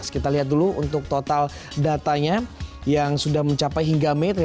kita lihat dulu untuk total datanya yang sudah mencapai hingga mei dua ribu tujuh belas